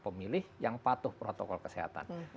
pemilih yang patuh protokol kesehatan